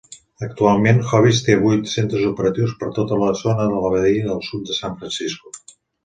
Actualment, Hobee's té vuit centres operatius per tota la zona de la badia al sud de San Francisco.